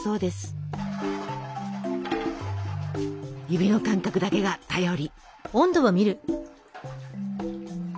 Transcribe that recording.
指の感覚だけが頼り。